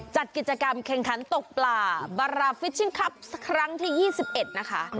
จัดกิจกรรมแข่งขันตกปลาบาราฟิชชิงคลับครั้งที่๒๑นะคะ